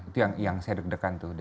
itu yang saya deg degan tuh